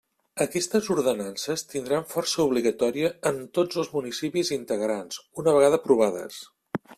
Aquestes ordenances tindran força obligatòria en tots els municipis integrants, una vegada aprovades.